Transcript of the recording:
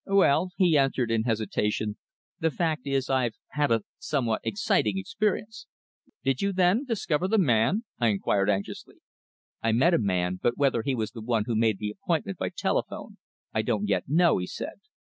"Well," he answered in hesitation, "the fact is, I've had a somewhat exciting experience." "Did you, then, discover the man?" I inquired anxiously. "I met a man, but whether he was the one who made the appointment by telephone I don't yet know," he said.